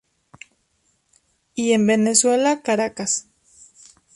Y en Venezuela, Caracas.